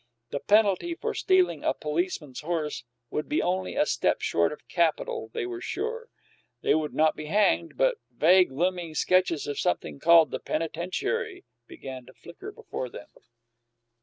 The penalty for stealing a policeman's horse would be only a step short of capital, they were sure. They would not be hanged; but vague, looming sketches of something called the penitentiary began to flicker before them.